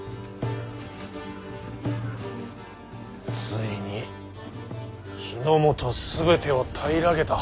ついに日本全てを平らげた。